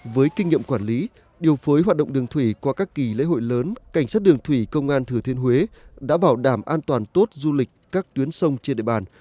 với kinh nghiệm quản lý điều phối hoạt động đường thủy qua các kỳ lễ hội lớn cảnh sát đường thủy công an thừa thiên huế đã bảo đảm an toàn tốt du lịch các tuyến sông trên địa bàn